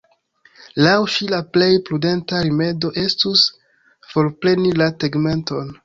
Laŭ ŝi la plej prudenta rimedo estus forpreni la tegmenton.